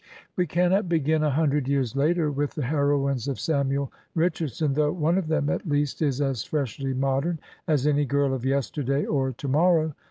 We cannot begin a hundred years later with the heroines of Samuel Richardson, though one of them at least is as freshly modem as any girl of yesterday or to morrow.